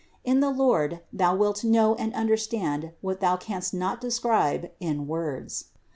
In the Lord thou wilt know and understand what thou canst not describe in words.